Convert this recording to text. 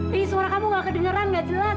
riri suara kamu nggak kedengeran nggak jelas